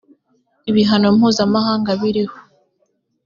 ibihano mpuzamahanga biriho.